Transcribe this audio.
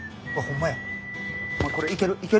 お前これいける！